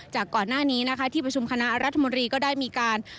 ก่อนหน้านี้นะคะที่ประชุมคณะรัฐมนตรีก็ได้มีการ